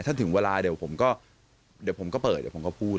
ถ้าถึงเวลาเดี๋ยวผมก็เดี๋ยวผมก็เปิดเดี๋ยวผมก็พูด